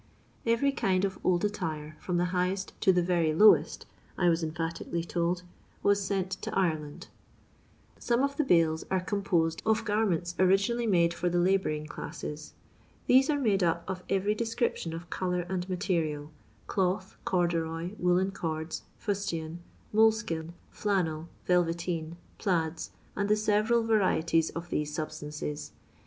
Every kind of old attire, firom the highest to the very lotoett, I was emphatically told, was sent to IreUnd. Some of the bales are composed of garments 28 LONDON LABOUR AND THB LONDON POOR. originally made for the labouring clauei. These are made np of every description of colour and material — cloth, corduroy, woollen cordi, fof tian, moleikin, flannel, TelTeteen, plaidf, and the leTeral Tarieties of thoae suhttanoes.